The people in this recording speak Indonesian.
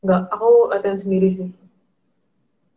enggak aku latihan sendiri sih